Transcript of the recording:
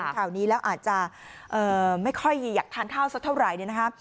ข่าวนี้แล้วอาจจะไม่ค่อยอยากทานข้าวสักเท่าไหร่เนี่ยนะคะ